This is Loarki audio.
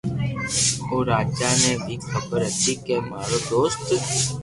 او راجا ني ڀي خبر ھتي ڪي مارو دوست